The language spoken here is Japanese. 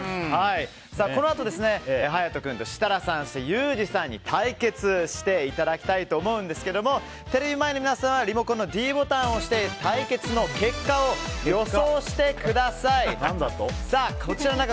このあと、勇人君と設楽さん、ユージさんに対決していただきたいと思うんですがテレビ前の皆さんはリモコンのｄボタンを押して対決の結果を予想してください。